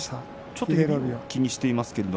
ちょっと指を気にしています。